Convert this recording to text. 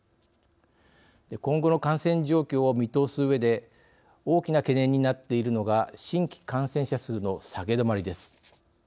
今後の感染状況を見通すうえで大きな懸念になっているのが新規感染者数の下げ止まりです。